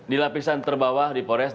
di lapisan terbawah di pores